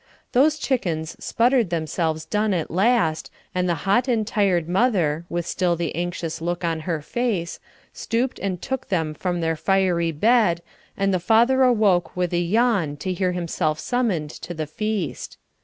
Those chickens sputtered themselves done at last, and the hot and tired mother, with still the anxious look on her face, stooped and took them from their fiery bed, and the father awoke with a yawn to hear himself summoned to the feast.